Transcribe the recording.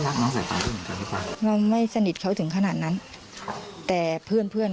รักน้องสายฟ้าเราไม่สนิทเขาถึงขนาดนั้นแต่เพื่อนเพื่อน